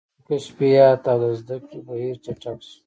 ساینسي کشفیات او د زده کړې بهیر چټک شو.